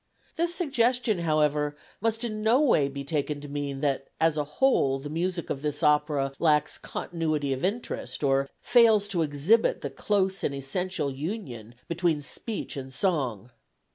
This suggestion, however, must in no way be taken to mean that as a whole the music of this opera lacks continuity of interest or fails to exhibit the close and essential union between speech and song.